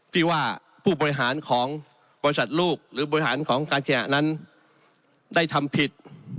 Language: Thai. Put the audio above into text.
ที่ว่าผู้บริหารของบริษัทลูกหรือบริหารของการแข่งนั้นได้ทำผิด